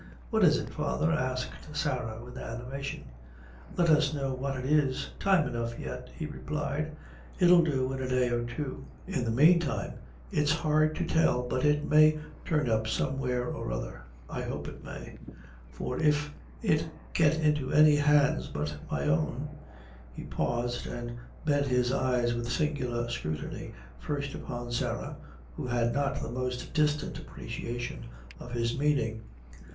"What is it, father?" asked Sarah, with animation; "let us know what it is." "Time enough yet," he replied; "it'll do in a day or two; in the mean time it's hard to tell but it may turn up somewhere or other; I hope it may; for if it get into any hands but my own " He paused and bent his eyes with singular scrutiny first upon Sarah, who had not the most distant appreciation of his meaning.